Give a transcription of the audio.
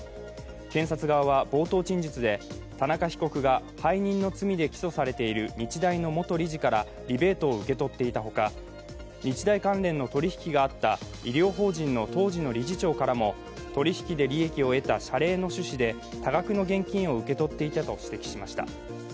検察側は冒頭陳述で、田中被告が背任の罪で起訴されている日大の元理事からリベートを受け取っていたほか、日大関連の取り引きがあった医療法人の当時の理事長からも取り引きで利益を得た謝礼の趣旨で多額の現金を受け取っていたと指摘しました。